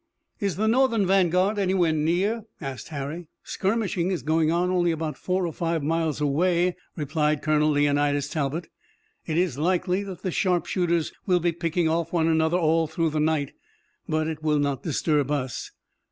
"Is the Northern vanguard anywhere near?" asked Harry. "Skirmishing is going on only four or five miles away," replied Colonel Leonidas Talbot. "It is likely that the sharp shooters will be picking off one another all through the night, but it will not disturb us.